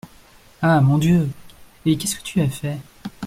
Ah ! mon Dieu ! et qu’est-ce que tu as fait ?